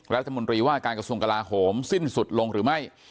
รัฐมนตรีว่าการกระทรวงกลาโหมสิ้นสุดลงหรือไม่